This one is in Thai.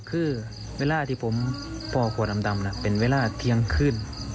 คือเวลาที่ผมพอขวดดำเป็นเวลาเที่ยงขึ้น